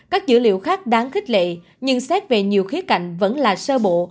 các dữ liệu khác đáng khích lệ nhưng xét về nhiều khía cạnh vẫn là sơ bộ